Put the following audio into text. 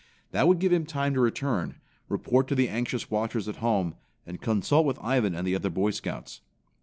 That would give him time to return, report to the anxious watchers at home, and consult with Ivan and the other Boy Scouts.